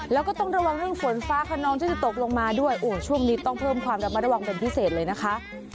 แล้วก็ต้องระวังเรื่องฝนฟ้าขนองที่จะตกลงมาด้วยโอ้ช่วงนี้ต้องเพิ่มความระมัดระวังเป็นพิเศษเลยนะคะ